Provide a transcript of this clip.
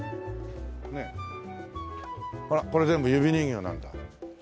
ほらこれ全部指人形なんだ。